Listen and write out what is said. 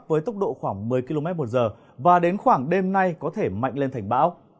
với tốc độ khoảng một mươi km một giờ và đến khoảng đêm nay có thể mạnh lên thành bão